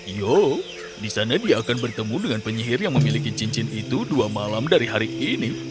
yo di sana dia akan bertemu dengan penyihir yang memiliki cincin itu dua malam dari hari ini